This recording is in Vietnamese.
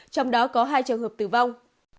trong đó có hai trường hợp tử vong